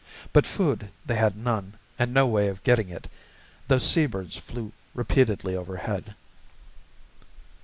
But food they had none, and no way of getting it, though sea birds flew repeatedly overhead.